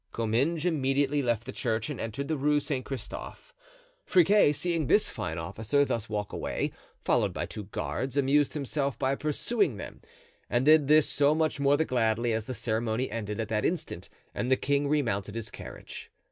Comminges immediately left the church and entered the Rue Saint Christophe. Friquet, seeing this fine officer thus walk away, followed by two guards, amused himself by pursuing them and did this so much the more gladly as the ceremony ended at that instant and the king remounted his carriage.